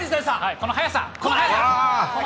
この速さ。